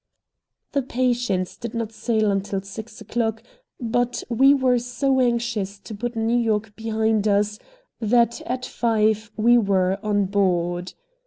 The Patience did not sail until six o'clock, but we were so anxious to put New York behind us that at five we were on board.